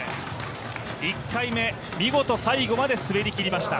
１回目、見事最後まで滑りきりました。